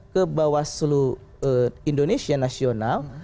ke bawah selu indonesia nasional